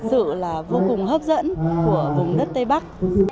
và cái sự hấp dẫn của vùng đất tây bắc